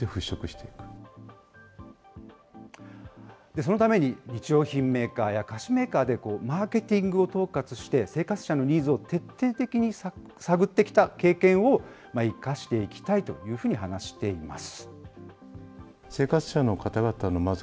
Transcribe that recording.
そのために日用品メーカーや菓子メーカーでマーケティングを統括して、生活者のニーズを徹底的に探ってきた経験を生かしていきたいというふうに話しています。